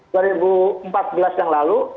empat belas tahun yang lalu